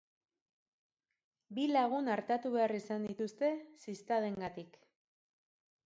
Bi lagun artatu behar izan dituzte ziztadengatik.